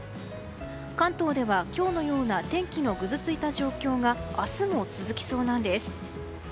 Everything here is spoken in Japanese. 関東では今日のような天気のぐずついた状況が明日も続きそうなんです。